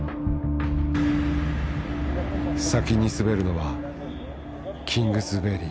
先に滑るのはキングズベリー。